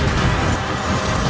aku akan menang